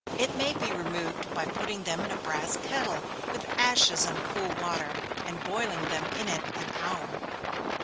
It may be removed by putting them in a brass kettle, with ashes and cool water, and boiling them in it an hour.